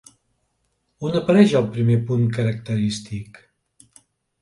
On apareix el primer punt característic?